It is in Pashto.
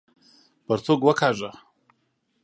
پرتوګ وکاږه!